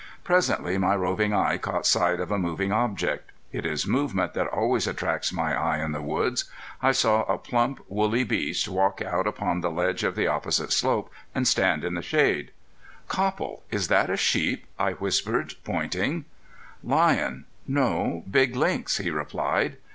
Presently my roving eye caught sight of a moving object. It is movement that always attracts my eye in the woods. I saw a plump, woolly beast walk out upon the edge of the opposite slope and stand in the shade. "Copple, is that a sheep?" I whispered, pointing. "Lion no, big lynx," he replied.